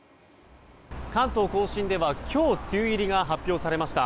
関東・甲信では今日梅雨入りが発表されました。